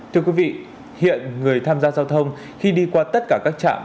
thưa quý vị hiện người tham gia giao thông khi đi qua tất cả các trạm